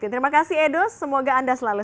terima kasih edo semoga anda selalu